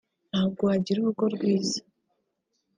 ntabwo wagira urugo rwiza